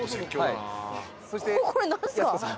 これ何すか？